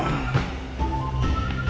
tunggu ga mati tante